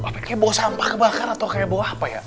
apakah kayak bau sampah kebakar atau kayak bau apa ya